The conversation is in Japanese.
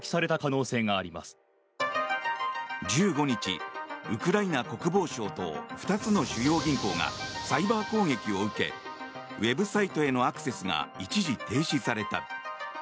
１５日、ウクライナ国防省と２つの主要銀行がサイバー攻撃を受けウェブサイトへのアクセスが一時、停止された。